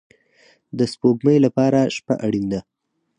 د سپوږمۍ لپاره شپه اړین ده